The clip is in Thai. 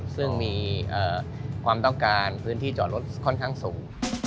ซึ่งมีความต้องการพื้นที่จอดรถค่อนข้างสูง